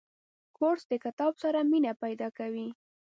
کورس د کتاب سره مینه پیدا کوي.